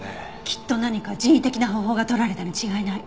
きっと何か人為的な方法が取られたに違いない。